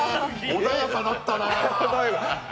穏やかだったな。